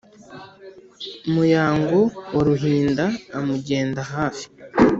muyango wa ruhinda amugenda hafi